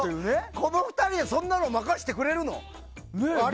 この２人にそんなの任せてくれるの？